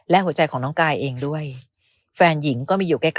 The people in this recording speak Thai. และหัวใจของน้องกายเองด้วยแฟนหญิงก็มีอยู่ใกล้ใกล้